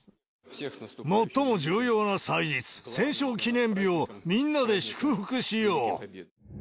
最も重要な祭日、戦勝記念日をみんなで祝福しよう。